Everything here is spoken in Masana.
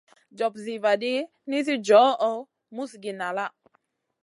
Jopsiy vaɗi, nisi johʼo musgi nala.